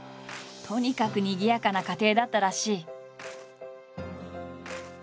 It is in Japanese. とにかくにぎやかな家庭だったらしい。